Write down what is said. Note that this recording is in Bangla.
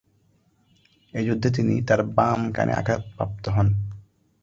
এই যুদ্ধে তিনি তাঁর বাম কানে আঘাতপ্রাপ্ত হন।